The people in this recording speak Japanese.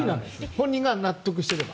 本人が納得していれば。